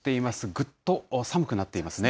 ぐっと寒くなっていますね。